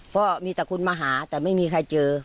เพราะมีแต่คุณมาหาแต่ไม่มีใครเจอ